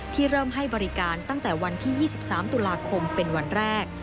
เริ่มให้บริการตั้งแต่วันที่๒๓ตุลาคมเป็นวันแรก